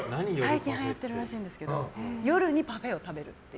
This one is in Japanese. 最近はやってるらしいんですが夜にパフェを食べるって。